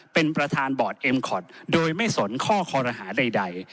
เป็นประธานบอร์ดเอ็มคอตโดยไม่สนข้อคอรหาใด